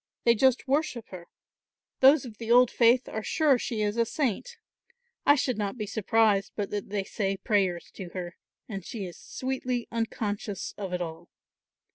They just worship her. Those of the old faith are sure she is a saint. I should not be surprised but that they say prayers to her, and she is sweetly unconscious of it all.